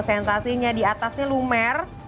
sensasinya di atasnya lumer